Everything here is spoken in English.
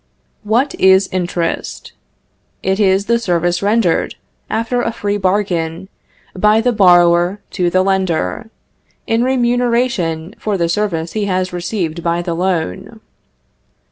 What is interest? It is the service rendered, after a free bargain, by the borrower to the lender, in remuneration for the service he has received by the loan.